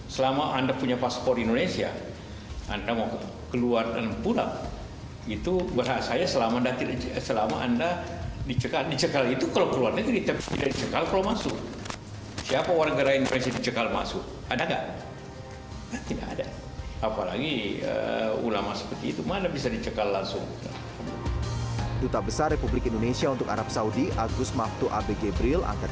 selama anda punya paspor indonesia anda mau keluar dan pulang itu berhasil selama anda dicekal